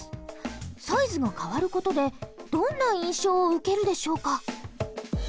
サイズが変わる事でどんな印象を受けるでしょうか？